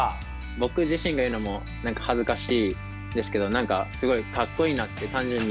僕自身が言うのも何か恥ずかしいですけど何かすごいかっこいいなって単純に。